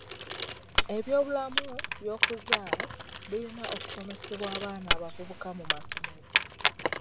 Ebyobulamu byokuzaala birina okusomesebwa abaana abavubuka mu masomero.